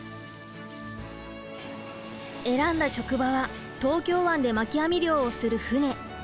選んだ職場は東京湾で巻き網漁をする船。